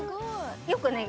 よくね。